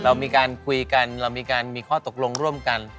เรามีการคุยกันเรามีการมีข้อตกลงร่วมกัน